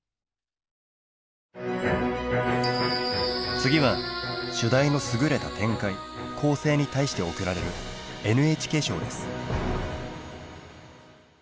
次は主題のすぐれた展開・構成に対して贈られるＮＨＫ賞です。